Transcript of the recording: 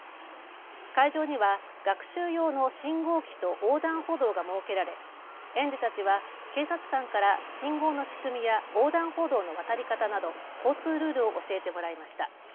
会場には学習用の信号機と横断歩道が設けられ園児たちは警察官から信号の仕組みや横断歩道の渡り方など交通ルールを教えてもらいました。